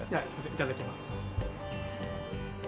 いただきます。